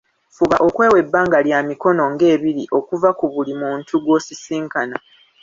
Fuba okwewa ebbanga lya mikono nga ebiri okuva ku buli muntu gw’osisinkana.